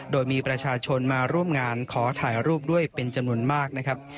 โดยมีประชาชนมาร่วมงานขอถ่ายรูปด้วยเป็นจำนวนมากนะครับ